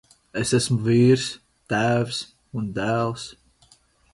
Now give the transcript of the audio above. Es esmu vīrs, tēvs un dēls.